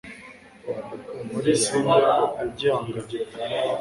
Muri cinder ya gihanga gito,